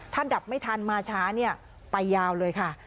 ถ้าดับไม่ทันมาช้าเนี่ยไปยาวเลยค่ะ